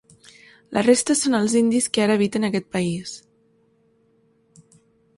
La resta són els indis que ara habiten aquest país.